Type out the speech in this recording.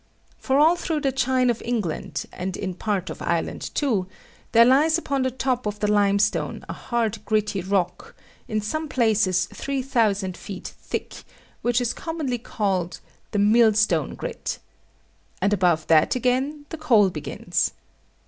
For all through the chine of England, and in a part of Ireland too, there lies upon the top of the limestone a hard gritty rock, in some places three thousand feet thick, which is commonly called "the mill stone grit." And above that again the coal begins.